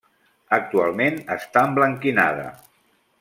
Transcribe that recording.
Actualment està emblanquinada.